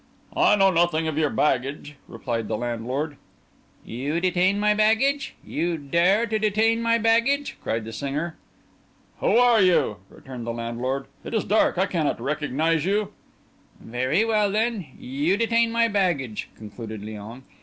"I know nothing of your baggage," replied the landlord. "You detain my baggage? You dare to detain my baggage?" cried the singer. "Who are you?" returned the landlord. "It is dark—I cannot recognise you." "Very well, then—you detain my baggage," concluded Léon.